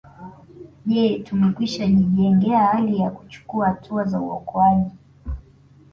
Je tumekwishajijengea hali ya kuchukua hatua za uokoaji